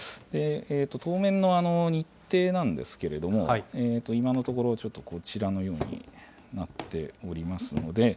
当面の日程なんですけれども、今のところ、ちょっとこちらのようになっておりますので。